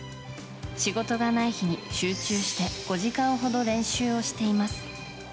仕事がない日に集中して５時間ほど練習しています。